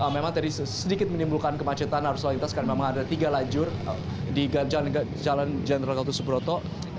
memang tadi sedikit menimbulkan kemacetan harus kita lakukan karena memang ada tiga lajur di jalan jenderal gatut subroto